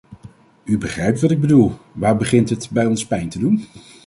U begrijpt wat ik bedoel, waar begint het bij ons pijn te doen?